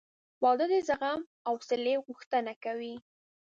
• واده د زغم او حوصلې غوښتنه کوي.